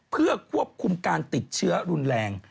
เพื่อควบคุมการติดเชื้อรุนแรง